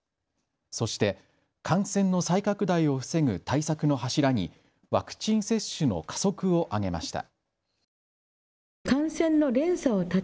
そして感染の再拡大を防ぐ対策の柱にワクチン接種の加速を挙げました。